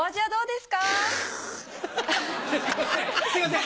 すいません！